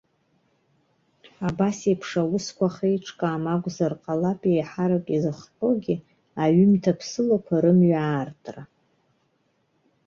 Абас еиԥш аусқәа ахьеиҿкаам акәзар ҟалап еиҳарак изыхҟьогьы аҩымҭа ԥсылақәа рымҩа аартра.